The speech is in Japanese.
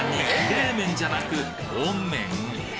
冷麺じゃなく温麺？